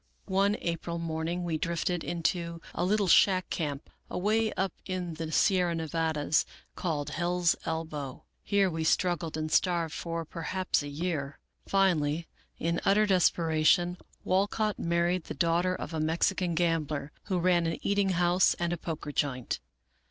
One April morning we drifted into a little shack camp, away up in the Sierra Nevadas, called Hell's Elbow, Here we struggled and starved for perhaps a year. Finally, in utter despera tion, Walcott married the daughter of a Mexican gambler, who ran an eating house and a poker joint.